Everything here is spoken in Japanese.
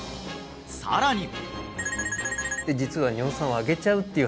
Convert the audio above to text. さらにえ！